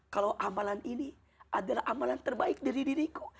kalau amalan ini adalah amalan terbaik dari diriku